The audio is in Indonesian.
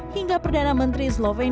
hingga perdana menteri indonesia joe biden